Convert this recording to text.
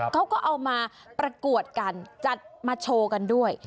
เขาก็เอามาประกวดกันจัดมาโชว์กันด้วย